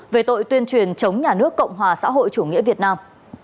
về tội tuyên truyền chống nhà nước cộng hòa xã hội chủ nghĩa việt nam